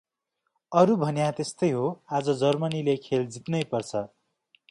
अरु भन्या त्यस्तै हो आज जर्मनिले खेल जित्नै पर्छ ।